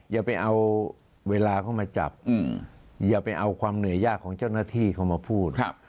อย่าไปเอาเวลาเข้ามาจับอย่าไปเอาความเหนื่อยยากของเจ้าหน้าที่เข้ามาพูด